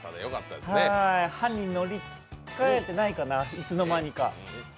歯にのり付いてないかないつの間にか。